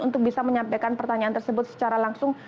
untuk bisa menyampaikan pertanyaan tersebut secara langsung